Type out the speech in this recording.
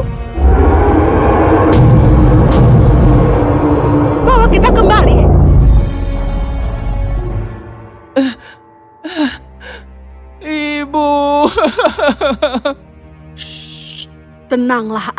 hanya ada beberapa perempuanku yang sudah